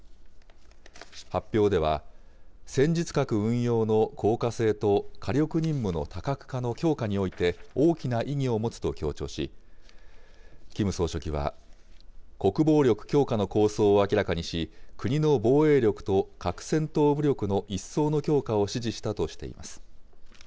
発表では、戦術核運用の効果性と火力任務の多角化の強化において、大きな意味を持つと強調し、キム総書記は、国防力強化の構想を明らかにし、国の防衛力と核戦闘武力の一層の強化を指示したとしています。